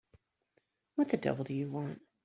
What the devil do you want?